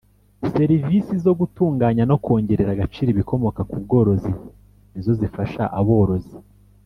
Serivisi zo gutunganya no kongerera agaciro ibikomoka ku bworozi nizo zifasha aborozi